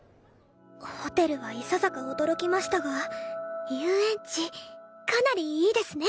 ホテルはいささか驚きましたが遊園地かなりいいですね